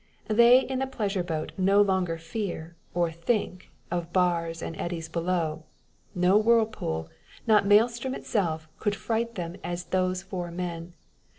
They in the pleasure boat no longer fear, or think of, bars and eddies below. No whirlpool not Maelstrom itself, could fright them as those four men.